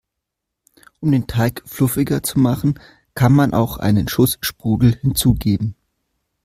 Um den Teig fluffiger zu machen, kann man auch einen Schuss Sprudel hinzugeben.